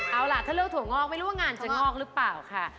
เอาล่ะถ้าเลือกถั่วงอกไม่รู้ว่างานจะงอกหรือเปล่าค่ะ